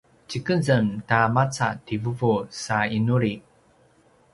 tjikezem ta maca ti vuvu sa inuli